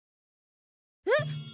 えっ！？